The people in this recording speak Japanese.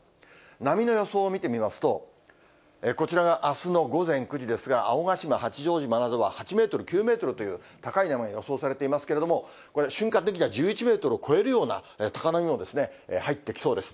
波の予想を見てみますと、こちらがあすの午前９時ですが、青ヶ島、八丈島などは８メートル、９メートルという高い波が予想されていますけれども、これ、瞬間的には１１メートルを超えるような高波も入ってきそうです。